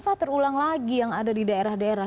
bisa terulang lagi yang ada di daerah daerah